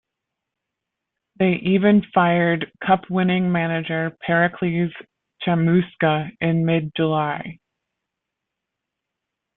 They even fired cup-winning manager Pericles Chamusca in mid July.